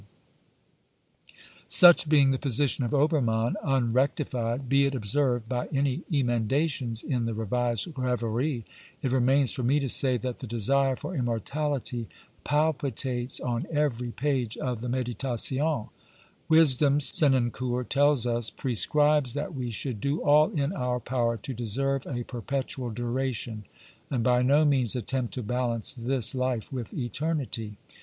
CRITICAL INTRODUCTION liii Such being the position of Obennann, unrectified, be it observed, by any emendations in the revised Reveries,^ it remains for me to say that the desire for immortahty palpitates on every page of the Meditations. " Wisdom," Senancour tells us, " prescribes that we should do all in our power to deserve a perpetual duration and by no means attempt to balance this life with eternity."